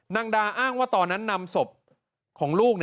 นางดาอ้างว่าตอนนั้นนำศพของลูก